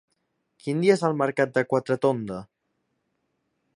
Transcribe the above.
Quin dia és el mercat de Quatretonda?